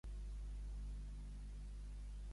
Poc profit o remei ajuda i poc mal danya.